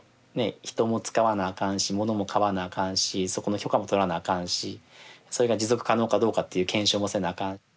人も使わなあかんしものも買わなあかんしそこの許可も取らなあかんしそれが持続可能かどうかっていう検証もせなあかん。